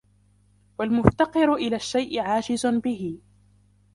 وَالْمُفْتَقِرُ إلَى الشَّيْءِ عَاجِزٌ بِهِ